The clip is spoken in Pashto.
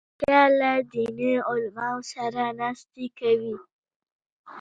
نیکه له دیني علماوو سره ناستې کوي.